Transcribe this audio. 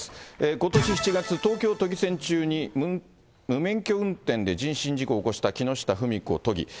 ことし７月、東京都議選中に無免許運転で人身事故を起こした木下富美子都議。